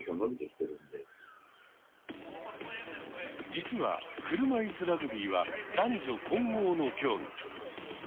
実は車いすラグビーは男女混合の競技。